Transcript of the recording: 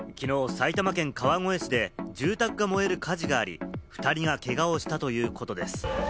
埼玉県川越市で住宅が燃える火事があり、２人がけがをしたということです。